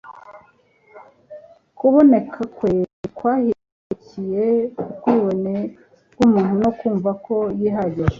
Kuboneka kwe ntikwahishukiye ubwibone bw'umuntu no kumva ko yihagije.